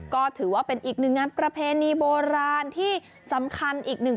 ก็ถือว่าเป็นอีกหนึ่งงานประเพณีโบราณที่สำคัญอีกหนึ่ง